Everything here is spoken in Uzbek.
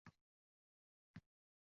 Nodonlarni kechirmaslik –